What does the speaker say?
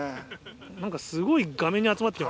何かすごい。